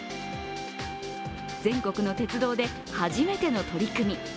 全国の鉄道で初めての取り組み。